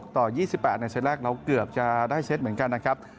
ต่อ๒๘ในเซตแรกเราเกือบจะได้เซ็ตเหมือนกันนะครับ